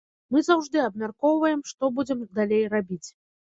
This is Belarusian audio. Мы заўжды абмяркоўваем, што будзем далей рабіць.